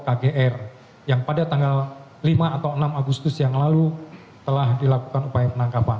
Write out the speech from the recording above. kgr yang pada tanggal lima atau enam agustus yang lalu telah dilakukan upaya penangkapan